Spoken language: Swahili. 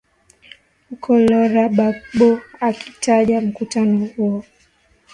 uku lora bagbo akikaja mkutano huo